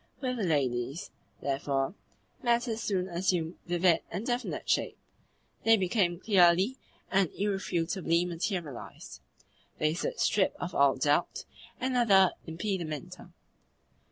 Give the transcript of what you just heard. With the ladies, therefore, matters soon assumed vivid and definite shape; they became clearly and irrefutably materialised; they stood stripped of all doubt and other impedimenta.